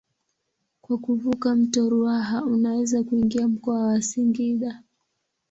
Kwa kuvuka mto Ruaha unaweza kuingia mkoa wa Singida.